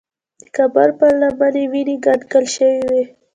د کابل پر لمن کې وینې کنګل شوې وې.